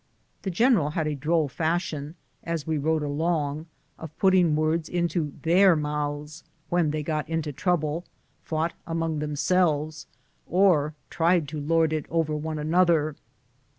Tiie general had a droll fiishion, as we rode along, of putting words into 56 BOOTS AND SADDLES. their mouths when thej got into trouble, fought among themselves, or tried to lord it over one another.